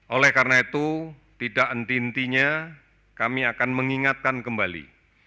oleh karena itu tidak entintinya kami akan mengingatkan kembali